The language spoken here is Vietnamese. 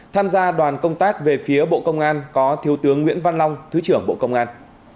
tham gia đoàn công tác về phía bộ công an có thiếu tướng nguyễn văn long thứ trưởng bộ công an